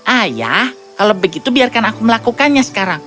ayah kalau begitu biarkan aku melakukannya sekarang